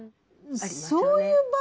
そういう場合